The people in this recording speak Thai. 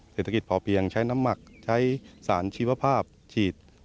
เศรษฐกิจพอเพียงใช้น้ำหมักใช้สารชีวภาพฉีด